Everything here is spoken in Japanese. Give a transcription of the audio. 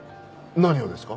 何をですか？